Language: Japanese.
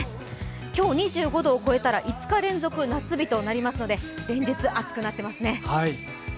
今日２５度を超えたら５日連続、夏日となりますので連日暑くなっていますね。